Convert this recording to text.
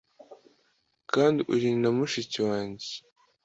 kandi uri na mushiki wanjye’